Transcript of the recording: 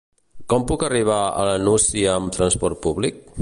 Com puc arribar a la Nucia amb transport públic?